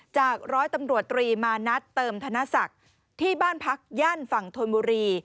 จากร้อยตำรวจตรีมานัดเติมธนศักดิ์ที่บ้านพักย่านฝั่งธนบุรี